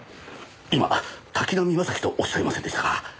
今滝浪正輝とおっしゃいませんでしたか？